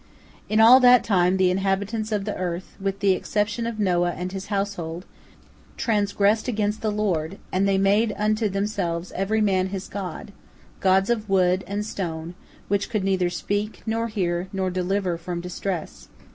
In that time all the inhabitants of the earth, with the exception of Noah and his household, transgressed against the Lord, and they made unto themselves every man his god, gods of wood and stone, which could neither speak, nor hear, nor deliver from distress.